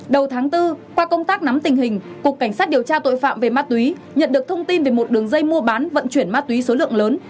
đầu tháng bốn qua công tác nắm tình hình cục cảnh sát điều tra tội phạm về ma túy nhận được thông tin về một đường dây mua bán vận chuyển ma túy số lượng lớn